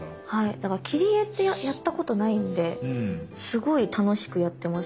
だから切り絵ってやったことないんですごい楽しくやってます。